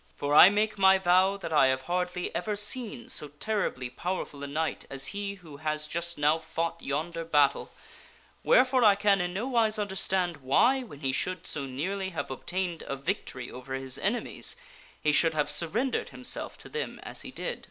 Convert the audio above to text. For I make my vow that I have hardly ever seen so terribly powerful a knight as he who has just now fought yonder battle, wherefore 1 can in nowise understand why, when he should so nearly have obtained a victory over his enemies, he should have sur rendered himself to them as he did."